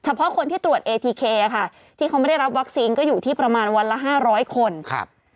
เพราะคนที่ตรวจเอทีเคค่ะที่เขาไม่ได้รับวัคซีนก็อยู่ที่ประมาณวันละห้าร้อยคนครับ